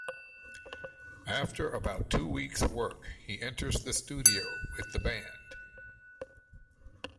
After about two weeks' work, he enters the studio with the band.